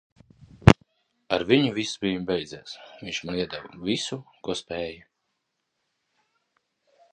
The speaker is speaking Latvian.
Ar viņu viss bija beidzies. Viņš man iedeva visu, ko spēja.